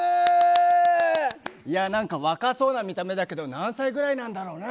何か若そうな見た目だけど何歳ぐらいなんだろうね。